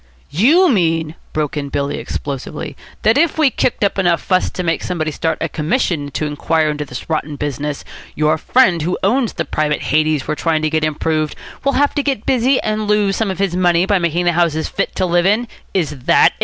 "You mean," broke in Billy explosively, "that if we kick up enough fuss to make somebody start a commission to inquire into this rotten business, your friend who owns the private Hades we're trying to get improved, will have to get busy and lose some of his money by making the houses fit to live in? Is that it?"